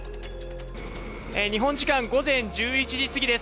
日本時間午前１１時過ぎです。